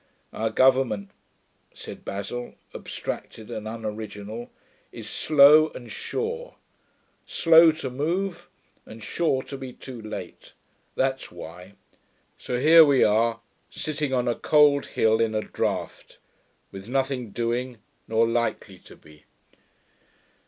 'Our government,' said Basil, abstracted and unoriginal, 'is slow and sure. Slow to move and sure to be too late. That's why. So here we are, sitting on a cold hill in a draught, with nothing doing, nor likely to be.'